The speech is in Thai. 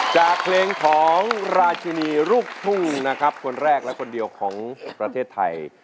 จากเพลงของราชินีลูกทุ่งนะครับคนแรกและคนเดียวของประเทศไทย